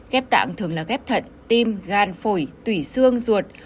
ghép tạng thường là ghép thận tim gan phổi tủy xương ruột